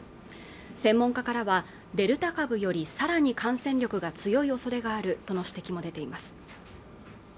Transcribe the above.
専門家からはデルタ株よりさらに感染力が強い恐れがあるとの指摘も出ています